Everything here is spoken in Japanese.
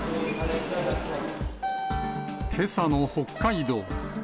けさの北海道。